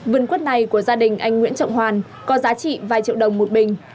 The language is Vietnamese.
vườn quất này của gia đình anh nguyễn trọng hoàn có giá trị vài triệu đồng một bình